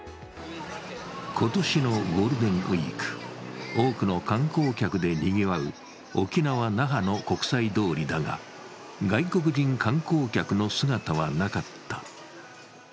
今年のゴールデンウイーク、多くの観光客でにぎわう沖縄・那覇の国際通りだが外国人観光客の姿はなかった。